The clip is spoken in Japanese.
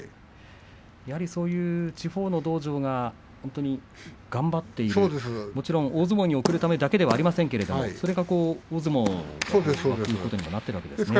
そういう地方の道場が頑張っているもちろん大相撲に送るためだけではありませんけれどもそれが大相撲の魅力にもなっているわけですね。